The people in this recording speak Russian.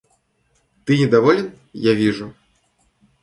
Ты недоволен, я вижу.